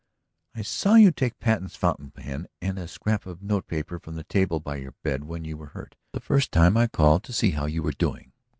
"I saw you take Patten's fountain pen and a scrap of note paper from the table by your bed when you were hurt the first time I called to see how you were doing.